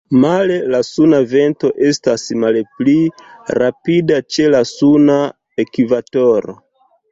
Male, la suna vento estas malpli rapida ĉe la suna ekvatoro.